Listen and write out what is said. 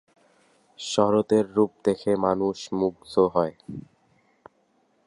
শরৎ এর রূপ দেখে মানুষ মুগ্ধ হয়।